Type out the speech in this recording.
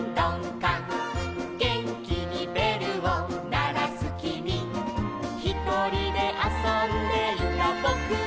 「げんきにべるをならすきみ」「ひとりであそんでいたぼくは」